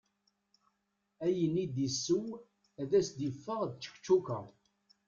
Ayen i d-iseww ad as-d-yeffeɣ d ččekčuka.